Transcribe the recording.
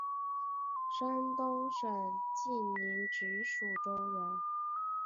山东省济宁直隶州人。